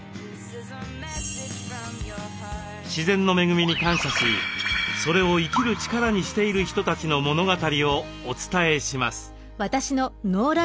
自然の恵みに感謝しそれを生きる力にしている人たちの物語をお伝えします。